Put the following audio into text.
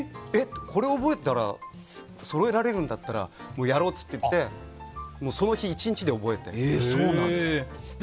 これ覚えたらそろえられるんだったらやろうっていってその日１日で覚えて。